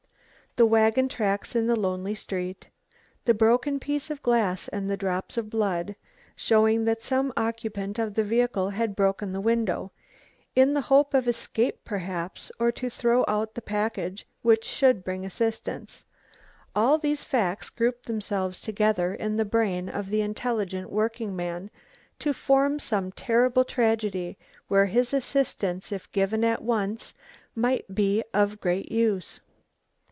The wagon tracks in the lonely street, the broken pieces of glass and the drops of blood, showing that some occupant of the vehicle had broken the window, in the hope of escape, perhaps, or to throw out the package which should bring assistance all these facts grouped themselves together in the brain of the intelligent working man to form some terrible tragedy where his assistance, if given at once, might be of great use.